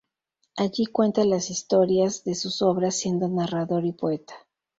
Allí cuenta las historias de sus obras, siendo narrador y poeta.